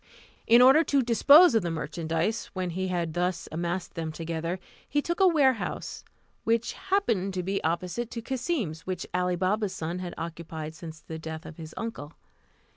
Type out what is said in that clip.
In order to dispose of the merchandise, when he had thus amassed them together, he took a warehouse, which happened to be opposite to Cassim's, which Ali Baba's son had occupied since the death of his uncle.